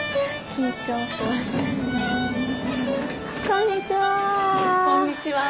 こんにちは。